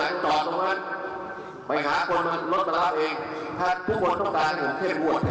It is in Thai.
อ่ะนายยกถามว่าถ้าใช้มาตรการเด็ดขาดประชาชนโอ้โหมันก็ไม่มีความคิดว่าจะต้องการแบบนี้